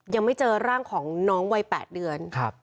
ยังไม่เจอร่างของน้องวัย๘เดือน